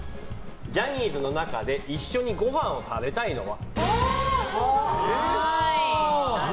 ジャニーズの中で一緒にご飯を食べたいのは？